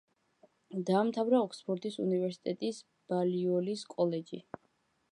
დაამთავრა ოქსფორდის უნივერსიტეტის ბალიოლის კოლეჯი.